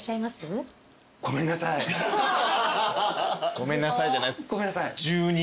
「ごめんなさい」じゃないです。